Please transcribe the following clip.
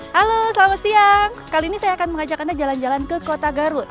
halo selamat siang kali ini saya akan mengajak anda jalan jalan ke kota garut